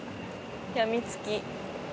病みつき。